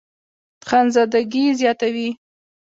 خانزادګۍ زياتوي